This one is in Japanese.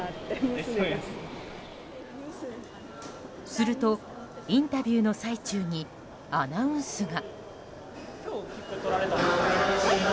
するとインタビューの最中にアナウンスが。